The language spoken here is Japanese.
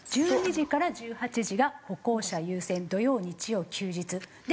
１２時から１８時が歩行者優先土曜日曜休日。